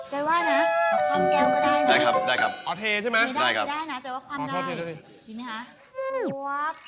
ใจว่านะขอบความแก้วก็ได้นะครับออเทใช่ไหมได้นะจัยว่าความดายดีมั้ยคะ